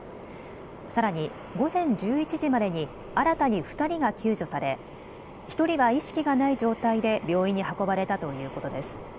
さらに午前１１時までに新たに２人が救助され１人は意識がない状態で病院に運ばれたということです。